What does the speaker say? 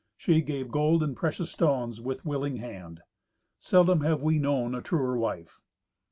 She gave gold and precious stones with willing hand. Seldom have we known a truer wife.